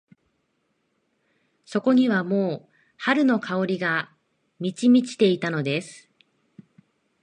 そこにはもう春の香りが満ち満ちていたのです。